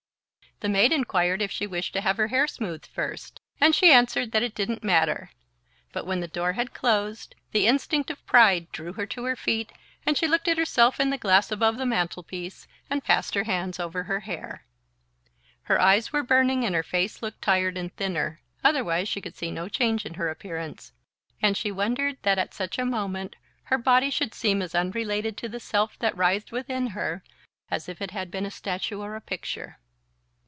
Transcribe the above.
The maid enquired if she wished to have her hair smoothed first, and she answered that it didn't matter; but when the door had closed, the instinct of pride drew her to her feet and she looked at herself in the glass above the mantelpiece and passed her hands over her hair. Her eyes were burning and her face looked tired and thinner; otherwise she could see no change in her appearance, and she wondered that at such a moment her body should seem as unrelated to the self that writhed within her as if it had been a statue or a picture.